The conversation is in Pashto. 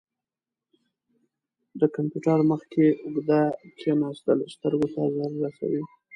د کمپیوټر مخ کې اوږده کښیناستل سترګو ته ضرر رسوي.